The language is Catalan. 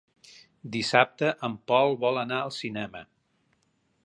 Dissabte en Pol vol anar al cinema.